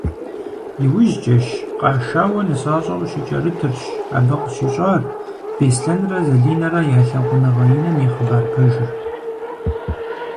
Иужькӏэщ, къашауэ нысащӏэу щыкӏэрытырщ, абы къыщищӏар Беслъэнрэ Залинэрэ я лъагъуныгъэ иным и хъыбар пэжыр.